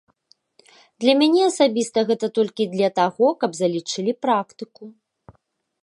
Для мяне асабіста гэта толькі для таго, каб залічылі практыку.